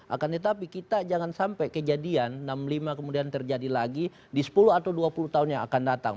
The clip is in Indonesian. akan tetapi kita jangan sampai kejadian enam puluh lima kemudian terjadi lagi di sepuluh atau dua puluh tahun yang akan datang